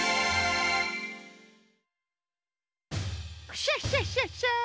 クシャシャシャシャ！